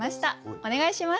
お願いします。